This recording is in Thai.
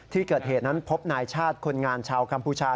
ที่เกิดเหตุนั้นพบนายชาติคนงานชาวกัมพูชา